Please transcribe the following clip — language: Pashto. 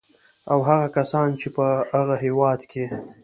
او هغه کسان چې په هغه هېواد کې